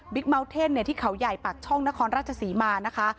บิ๊กเมาบ์เท่นที่เหล่าใหญ่ปากช่องนครราชสิริมานะคะ